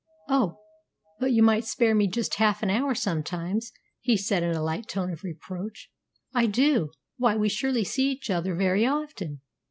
"Oh, but you might spare me just half an hour sometimes," he said in a slight tone of reproach. "I do. Why, we surely see each other very often!"